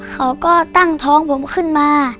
เขาก็ตั้งท้องผมขึ้นมา